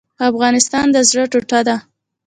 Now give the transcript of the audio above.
افغانستان د زړه ټوټه ده؟